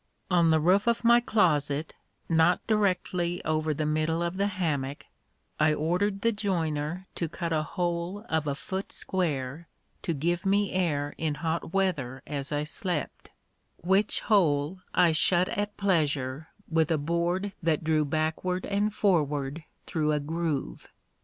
On the roof of my closet, not directly over the middle of the hammock, I ordered the joiner to cut a hole of a foot square, to give me air in hot weather as I slept; which hole I shut at pleasure, with a board that drew backward and forward through a groove.